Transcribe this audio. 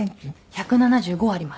１７５あります。